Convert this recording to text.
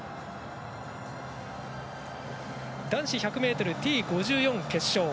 男子１００ｍＴ５４決勝。